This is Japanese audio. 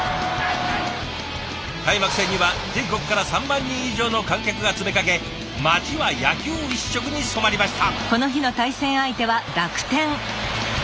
開幕戦には全国から３万人以上の観客が詰めかけ町は野球一色に染まりました。